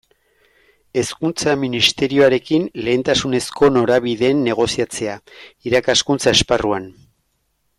Hezkuntza Ministerioarekin lehentasunezko norabideen negoziatzea, irakaskuntza esparruan.